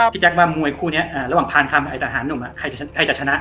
แจ๊คว่ามวยคู่นี้ระหว่างพานคำไอ้ทหารหนุ่มใครจะชนะ